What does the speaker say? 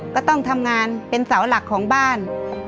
ก็ต้องทำงานเป็นเสาหลักของบ้าน